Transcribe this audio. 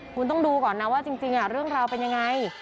คุณต้องดูก่อนนะว่าจริงเรื่องราวเป็นยังไง